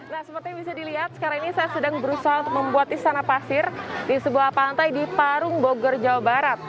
nah seperti yang bisa dilihat sekarang ini saya sedang berusaha untuk membuat istana pasir di sebuah pantai di parung bogor jawa barat